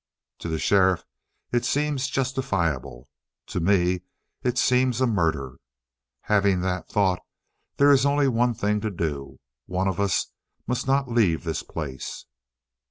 To the sheriff it seems justifiable. To me it seems a murder. Having that thought, there is only one thing to do. One of us must not leave this place!"